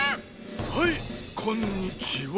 はいこんにちは。